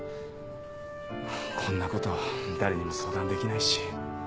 こんなこと誰にも相談できないし。